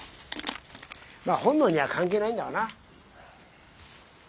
本能には関係ないんだわな。